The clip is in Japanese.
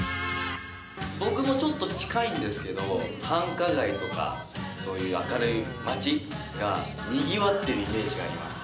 僕もちょっと近いんですけど、繁華街とか、そういう明るい街がにぎわっているイメージがあります。